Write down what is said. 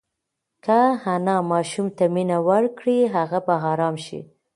که انا ماشوم ته مینه ورکړي هغه به ارام شي.